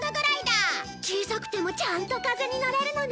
小さくてもちゃんと風にのれるのね